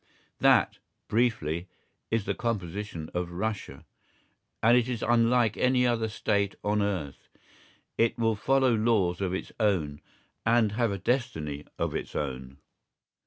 That, briefly, is the composition of Russia, and it is unlike any other State on earth. It will follow laws of its own and have a destiny of its own.